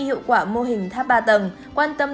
hiệu quả mô hình tháp ba tầng quan tâm